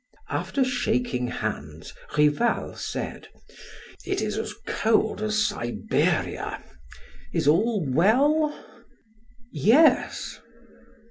After shaking hands, Rival said: "It is as cold as Siberia. Is all well?" "Yes."